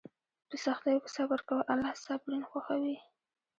په سختیو کې صبر کوه، الله صابرین خوښوي.